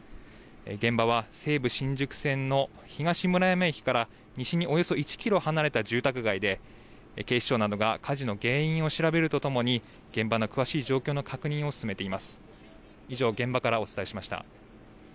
現場は西武新宿線の東村山駅から西におよそ１キロ離れた住宅街で、警視庁などが火事の原因を調べるとともに、現場の詳しい状況の確認を進めています。